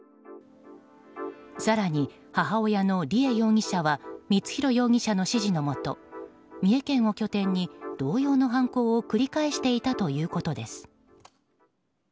更に母親の梨恵容疑者は光弘容疑者の指示のもと三重県を拠点に同様の犯行を繰り返していたということです。